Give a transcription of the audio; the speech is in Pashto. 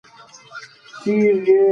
افغانستان په ننګرهار غني دی.